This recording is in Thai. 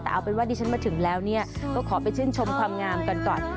แต่เอาเป็นว่าดิฉันมาถึงแล้วก็ขอไปชื่นชมความงามกันก่อน